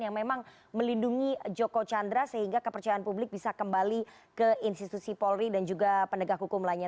yang memang melindungi joko chandra sehingga kepercayaan publik bisa kembali ke institusi polri dan juga penegak hukum lainnya